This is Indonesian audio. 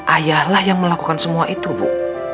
ayahlah yang melakukan semua itu bu